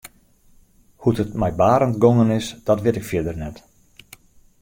Hoe't it mei Barend gongen is dat wit ik fierder net.